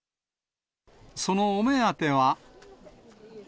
そのお目当ては。